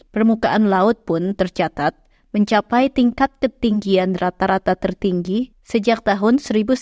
permukaan laut pun tercatat mencapai tingkat ketinggian rata rata tertinggi sejak tahun seribu sembilan ratus sembilan puluh